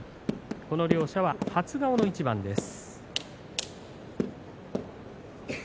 この両者は初顔の一番です。